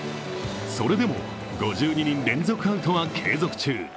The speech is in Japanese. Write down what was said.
それでも５２人連続アウトは継続中。